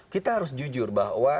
kita harus jujur bahwa